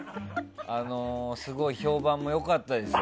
すごい評判も良かったです。